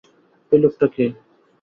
এই লোকটা কে?